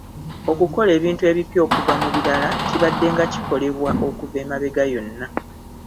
Okukola ebintu ebipya okuva mu birala kibaddenga kikolebwa okuva emabega yonna